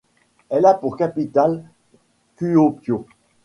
Elle a pour capitale Kuopio.